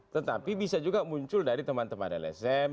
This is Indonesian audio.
tetapi bisa juga muncul dari teman teman lsm